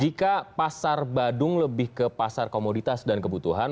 jika pasar badung lebih ke pasar komoditas dan kebutuhan